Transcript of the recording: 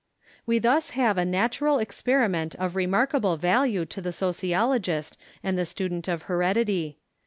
We thus have a natural experiment of remarkable value to the sociologist and the student of heredity.